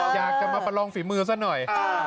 อยากจะมาประลองฝีมือซะหน่อย